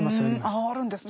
あああるんですね。